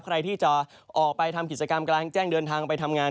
ใครที่จะออกไปทำกิจกรรมกลางแจ้งเดินทางไปทำงาน